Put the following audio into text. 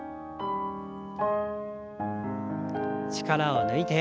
力を抜いて。